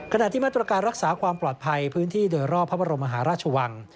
ขณะที่มาตรการรักษาความปลอดภัยพื้นที่โดยรอบพระบรมมหาราชวัง